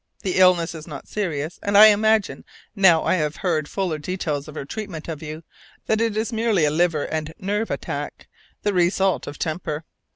The illness is not serious, and I imagine, now I have heard fuller details of her treatment of you, that it is merely a liver and nerve attack, the result of temper.